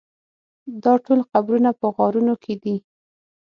دا ټول قبرونه په غارونو کې دي.